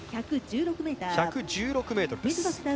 １１６ｍです。